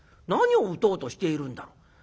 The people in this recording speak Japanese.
「何を撃とうとしているんだろう？」。